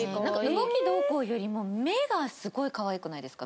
動きどうこうよりも目がすごい可愛くないですか？